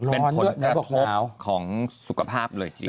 เป็นผลของสุขภาพเลยจริง